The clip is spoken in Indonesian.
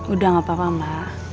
udah gak apa apa mbak